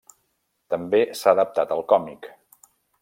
També s'ha adaptat al còmic.